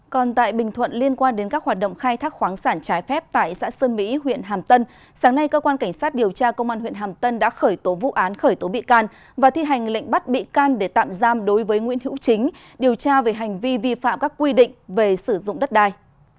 còn tại bình thuận liên quan đến các hoạt động khai thác khoáng sản trái phép tại xã sơn mỹ huyện hàm tân sáng nay cơ quan cảnh sát điều tra công an huyện hàm tân đã khởi tố vụ án khởi tố bị can và thi hành lệnh bắt bị can để tạm giam đối với nguyễn hữu chính điều tra về hành vi vi phạm các quy định về sử dụng đất đai